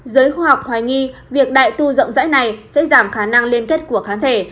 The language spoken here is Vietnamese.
giới khoa học hoài nghi việc đại tu rộng rãi này sẽ giảm khả năng liên kết của kháng thể